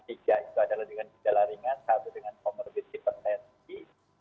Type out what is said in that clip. tiga itu adalah dengan udara ringan satu dengan komodit kipersensi